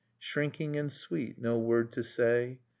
Shrinking and sweet, no word to say